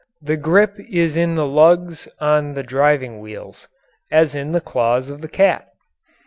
The grip is in the lugs on the driving wheels as in the claws of the cat.